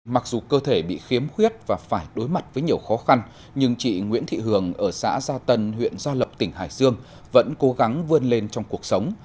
mặc dù cơ thể bị khiếm khuyết và phải đối mặt với nhiều khó khăn nhưng chị nguyễn thị hường ở xã gia tân huyện gia lập tỉnh hải dương vẫn cố gắng vươn lên trong cuộc sống